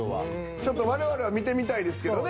ちょっと我々は見てみたいですけどね。